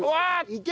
いけ！